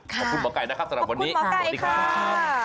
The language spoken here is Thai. ขอบคุณหมอไก่นะครับสำหรับวันนี้ขอบคุณหมอไก่ค่ะสวัสดีครับ